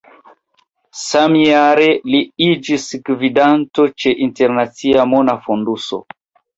Samjare li iĝis gvidanto ĉe Internacia Mona Fonduso.